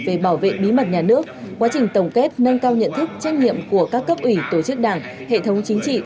về bảo vệ bí mật nhà nước quá trình tổng kết nâng cao nhận thức trách nhiệm của các cấp ủy tổ chức đảng hệ thống chính trị